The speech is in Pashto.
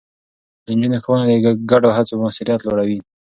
د نجونو ښوونه د ګډو هڅو موثريت لوړوي.